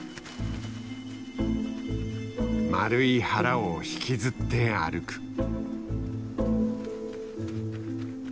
丸い腹を引きずって歩く。